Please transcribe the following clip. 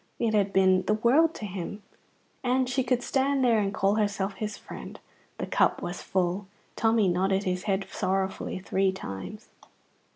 It had been the world to him. And she could stand there and call herself his friend. The cup was full. Tommy nodded his head sorrowfully three times.